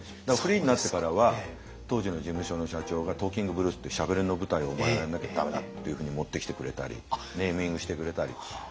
だからフリーになってからは当時の事務所の社長が「トーキングブルース」ってしゃべりの舞台をお前はやんなきゃダメだっていうふうに持ってきてくれたりネーミングしてくれたり。